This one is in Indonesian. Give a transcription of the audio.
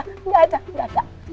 nggak ada nggak ada